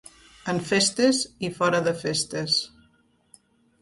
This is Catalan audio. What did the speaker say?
En festes i fora de festes.